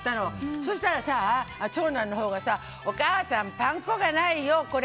そしたらさ、長男のほうがお母さんパン粉がないよ、これ。